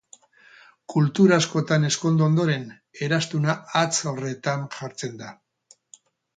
Kultura askotan ezkondu ondoren eraztuna hatz honetan jartzen da.